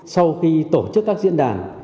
sau khi tổ chức các diễn đàn